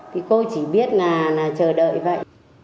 thì cô chỉ biết là chờ đợi vậy